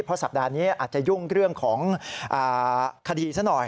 เพราะสัปดาห์นี้อาจจะยุ่งเรื่องของคดีซะหน่อย